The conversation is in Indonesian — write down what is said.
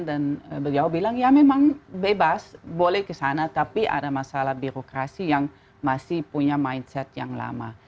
dan beliau bilang ya memang bebas boleh kesana tapi ada masalah birokrasi yang masih punya mindset yang lama